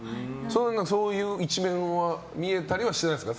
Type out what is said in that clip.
そういう一面は見えたりはしてないですか？